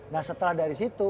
nah setelah dari situ